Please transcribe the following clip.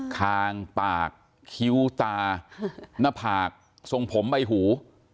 คางปากคิ้วตาหน้าผากทรงผมใบหู